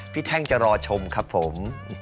พี่แทงจะรอชมครับผม